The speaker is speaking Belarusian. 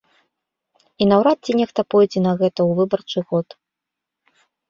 І наўрад ці нехта пойдзе на гэта ў выбарчы год.